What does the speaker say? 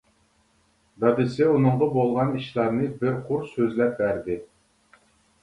دادىسى ئۇنىڭغا بولغان ئىشلارنى بىر قۇر سۆزلەپ بەردى.